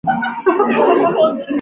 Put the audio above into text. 在上有漫画版连载。